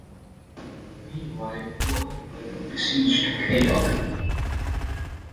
Meanwhile, Muhammad besieged Khaybar.